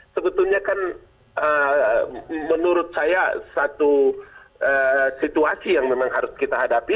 sebetulnya kan menurut saya satu situasi yang memang harus kita hadapi